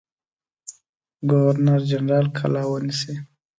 ګورنر جنرال قلا ونیسي.